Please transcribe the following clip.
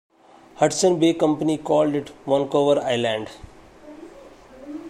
Hudson's Bay Company called it Vancouver Island.